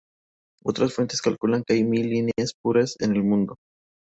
Otras fuentes calculan que hay mil líneas puras en el mundo.